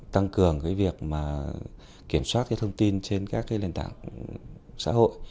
tăng cường cái việc mà kiểm soát cái thông tin trên các cái lên tảng xã hội